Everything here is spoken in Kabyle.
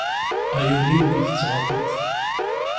A yul-iw i tettɣaḍeḍ!